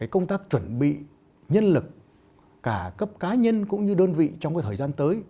các chuẩn bị nhân lực cả cấp cá nhân cũng như đơn vị trong cái thời gian tới